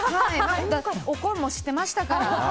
おこんも知ってましたから。